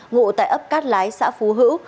ngụ tại ấp cát lái xã phú hữu